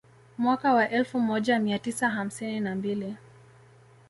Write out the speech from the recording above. Mwaka wa elfu moja mia tisa hamsini na mbili